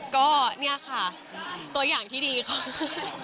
ก็นี่ค่ะตัวอย่างที่ดีของเขา